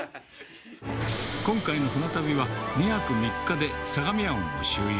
今回の船旅は２泊３日で相模湾を周遊。